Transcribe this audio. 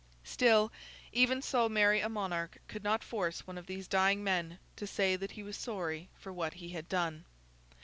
Still, even so merry a monarch could not force one of these dying men to say that he was sorry for what he had done.